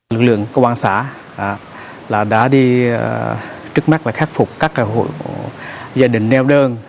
lực lượng công an xã đã đi trước mắt và khắc phục các hộ gia đình neo đơn